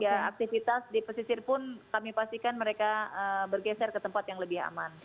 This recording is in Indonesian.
dan aktivitas di pesisir pun kami pastikan mereka bergeser ke tempat yang lebih aman